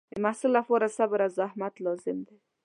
د محصل لپاره صبر او زحمت لازم دی.